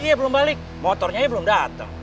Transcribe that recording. iya belum balik motornya belum dateng